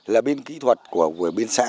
là bên kỹ thuật của bên xã